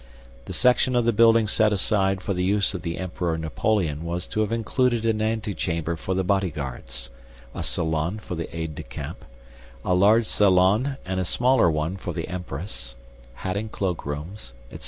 The section of the building set aside for the use of the Emperor Napoleon was to have included an antechamber for the bodyguards; a salon for the aides de camp; a large salon and a smaller one for the Empress; hat and cloak rooms, etc.